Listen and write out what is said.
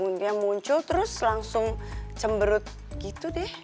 kadang kadang bad moodnya muncul terus langsung cemberut gitu deh